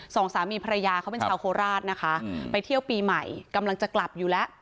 สองสามีภรรยาเขาเป็นชาวโคราชนะคะไปเที่ยวปีใหม่กำลังจะกลับอยู่แล้ว